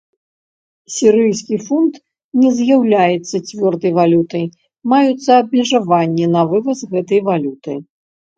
Сірыйскі фунт не з'яўляецца цвёрдай валютай, маюцца абмежаванні на вываз гэтай валюты.